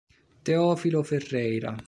Teófilo Ferreira